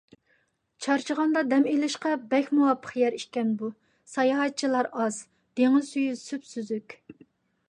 چارچىغاندا دەم ئېلىشقا بەك مۇۋاپىق يەر ئىكەن بۇ. ساياھەتچىلەر ئاز، دېڭىز سۈيى سۈپسۈزۈك.